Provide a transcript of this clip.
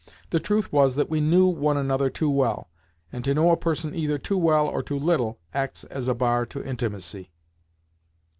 The truth was that we knew one another too well, and to know a person either too well or too little acts as a bar to intimacy.